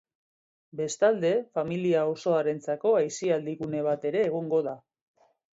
Bestalde, familia osoarentzako aisialdi gune bat ere egongo da.